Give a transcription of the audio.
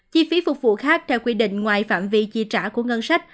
chi phí phục vụ khác theo quy định ngoài phạm vi chi trả của ngân sách